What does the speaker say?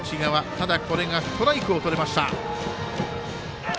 ただ、これがストライクをとれました。